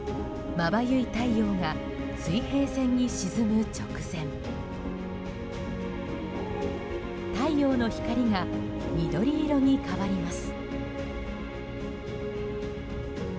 まばゆい太陽が水平線に沈む直前太陽の光が緑色に変わります。